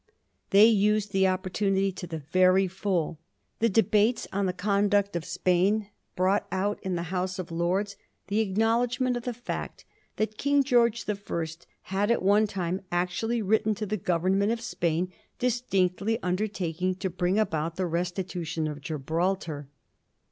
They used the opportunity to the very full. The debates on the conduct of Spain brought out in the House of Lords the acknowledgment of the fact that King George I. had at one time actually written to the Government of Spain distinctly under taking to bring about the restitution of Gibraltar.